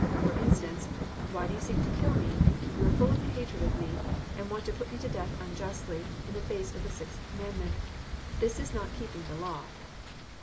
For instance: why do you seek to kill me ? You are full of hatred of me, and want to put me to death unjustly, in the face of the sixth commandment, ^his is not keeping the law."